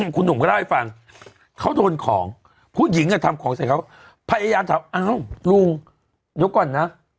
เขาระล่วงของผู้หญิงอ่ะทำของใส่เขาพยายามอ้าวลูกก่อนเนาะ